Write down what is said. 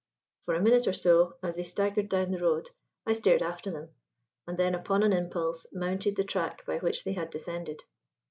For a minute or so, as they staggered down the road, I stared after them; and then upon an impulse mounted the track by which they had descended.